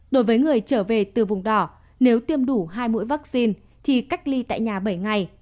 đối với người trở về từ vùng đỏ nếu tiêm đủ hai mũi vaccine thì cách ly tại nhà bảy ngày